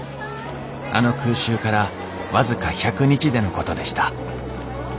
あの空襲から僅か１００日でのことでした。